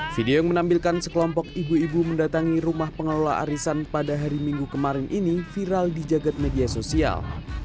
video yang menampilkan sekelompok ibu ibu mendatangi rumah pengelola arisan pada hari minggu kemarin ini viral di jagad media sosial